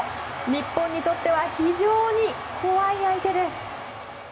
日本にとっては非常に怖い相手です。